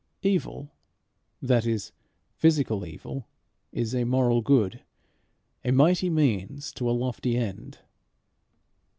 Evil, that is, physical evil, is a moral good a mighty means to a lofty end.